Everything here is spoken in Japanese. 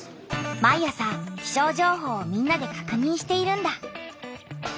毎朝気象情報をみんなでかくにんしているんだ。